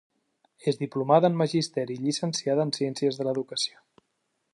És diplomada en Magisteri i llicenciada en Ciències de l’Educació.